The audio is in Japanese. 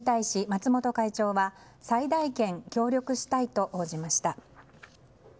これに対し、松本会長は最大限協力したいと応じました。